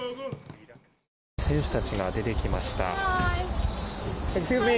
選手たちが出てきました。